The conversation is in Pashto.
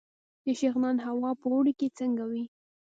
د شغنان هوا په اوړي کې څنګه وي؟